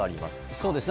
そうですね。